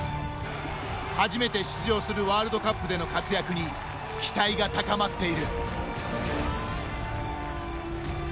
初めて出場するワールドカップでの活躍に期待が高まっている。